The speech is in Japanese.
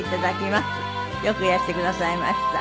よくいらしてくださいました。